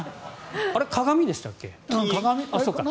あれ、鏡でしたっけ？